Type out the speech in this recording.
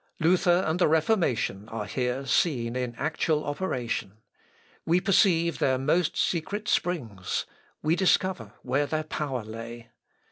Luther and the Reformation are here seen in actual operation. We perceive their most secret springs. We discover where their power lay.